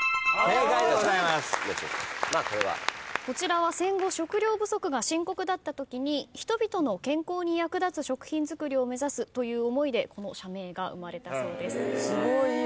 こちらは戦後食糧不足が深刻だったときに人々の健康に役立つ食品作りを目指すという思いでこの社名が生まれたそうです。